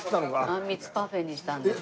あんみつパフェにしたんですけど。